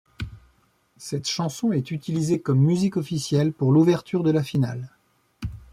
Cette chanson est utilisée comme musique officielle pour l'ouverture de la finale.